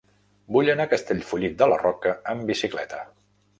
Vull anar a Castellfollit de la Roca amb bicicleta.